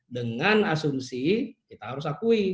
dengan asumsi kita harus akui